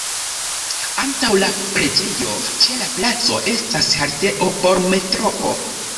Antaŭ la preĝejo ĉe la placo estas haltejo por metroo.